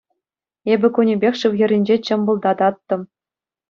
Эпӗ кунӗпех шыв хӗрринче чӑмпӑлтататтӑм.